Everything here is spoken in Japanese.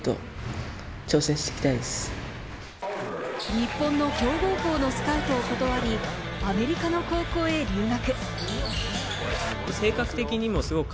日本の強豪校のスカウトをことわり、アメリカの高校へ留学。